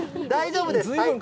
大丈夫です。